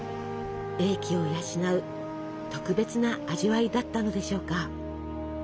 鋭気を養う特別な味わいだったのでしょうか。